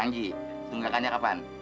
janggi tunggakannya kapan